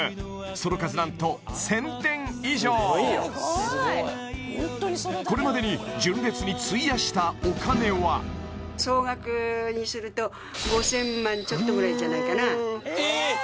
その数何と１０００点以上これまでに純烈に費やしたお金は総額にすると５０００万ちょっとぐらいじゃないかなえっ！